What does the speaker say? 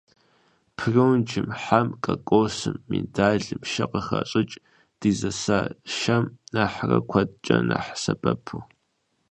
Прунжым, хьэм, кокосым, миндалым шэ къыхащӀыкӀ, дызэса шэм нэхърэ куэдкӀэ нэхъ сэбэпу.